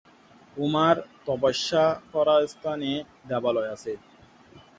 উমার তপস্যা করা স্থানে দেবালয় আছে।